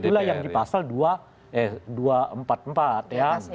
itulah yang dipasal dua ratus empat puluh empat ya